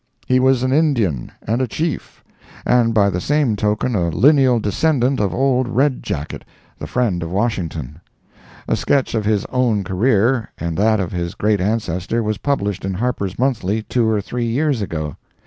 He was an Indian and a Chief; and by the same token a lineal descendant of old Red Jacket, the friend of Washington. A sketch of his own career and that of his great ancestor was published in Harper's Monthly two or three years ago.